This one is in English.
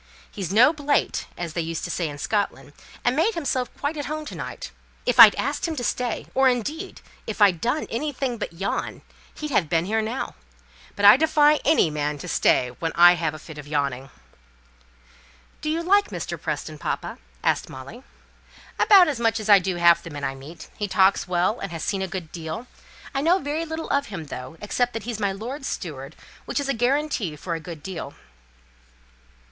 He's 'no blate,' as they used to say in Scotland, and made himself quite at home to night. If I'd asked him to stay, or, indeed, if I'd done anything but yawn, he'd have been here now. But I defy any man to stay when I've a fit of yawning." "Do you like Mr. Preston, papa?" asked Molly. "About as much as I do half the men I meet. He talks well, and has seen a good deal. I know very little of him, though, except that he's my lord's steward, which is a guarantee for a good deal."